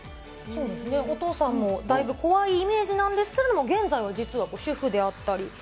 お父さんも、だいぶ怖いイメージなんですけど、現在は実は主婦であったり。